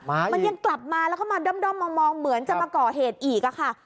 มันยังกลับมาแล้วก็มาด้อมมองเหมือนจะมาก่อเหตุอีกอะค่ะ